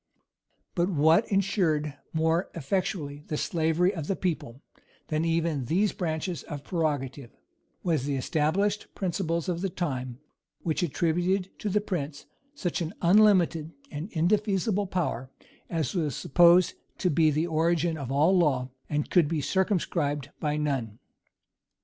But what insured more effectually the slavery of the people, than even these branches of prerogative, was, the established principles of the times, which attributed to the prince such an unlimited and indefeasible power, as was supposed to be the origin of all law, and could be circumscribed by none.